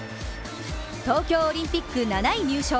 東京オリンピック、７位入賞。